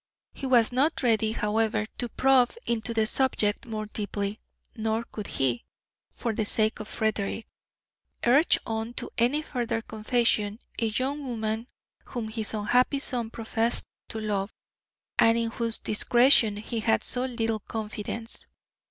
He was not ready, however, to probe into the subject more deeply, nor could he, for the sake of Frederick, urge on to any further confession a young woman whom his unhappy son professed to love, and in whose discretion he had so little confidence.